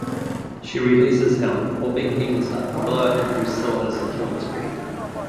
She releases him, hoping he can stop Darla and Drusilla's killing spree.